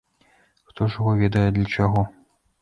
Хто ж яго ведае, для чаго.